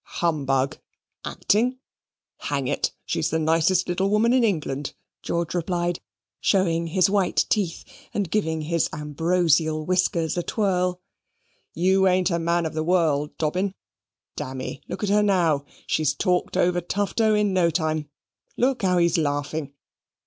"Humbug acting! Hang it, she's the nicest little woman in England," George replied, showing his white teeth, and giving his ambrosial whiskers a twirl. "You ain't a man of the world, Dobbin. Dammy, look at her now, she's talked over Tufto in no time. Look how he's laughing!